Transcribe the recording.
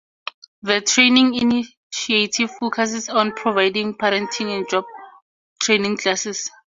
The Training initiative focuses on providing parenting and job training classes.